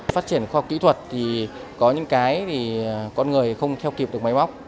phát triển khoa học kỹ thuật thì có những cái thì con người không theo kịp được máy móc